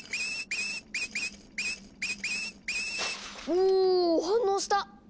おぉ反応した！